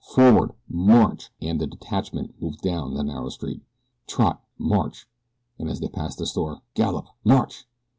Forward! March!" and the detachment moved down the narrow street. "Trot! March!" And as they passed the store: "Gallop! March!"